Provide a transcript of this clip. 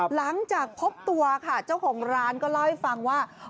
หลังจากพบตัวค่ะเจ้าของร้านก็เล่าให้ฟังว่า